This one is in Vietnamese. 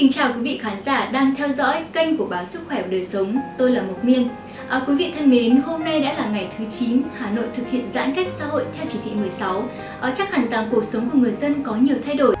các bạn hãy đăng ký kênh để ủng hộ kênh của chúng mình nhé